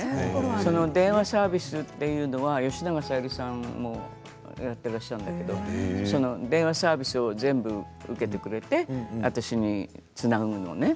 その電話サービスというのは吉永小百合さんもやっていらっしゃるんだけどその電話サービスを全部受けてくれて私につなぐのね。